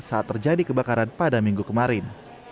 saat terjadi kebakaran pada minggu kemarin